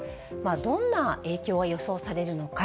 どんな影響が予想されるのか。